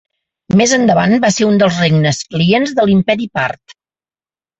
Més endavant va ser un dels regnes clients de l'imperi Part.